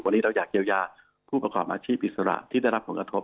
วันนี้เราอยากเยียวยาผู้ประกอบอาชีพอิสระที่ได้รับผลกระทบ